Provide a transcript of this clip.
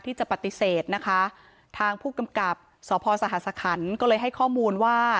ที่จะปฏิเสธนะคะทางผู้กำกับสพสหสคันก็เลยให้ข้อมูลว่า